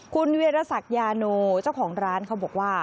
คุณเวียรสักยาโนเจ้าของร้านเขาบอกว่า